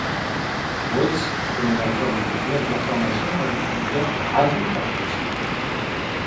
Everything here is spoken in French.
Wells, qui prenait la forme de flashs d'information radiophoniques.